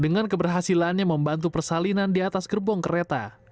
dengan keberhasilannya membantu persalinan di atas gerbong kereta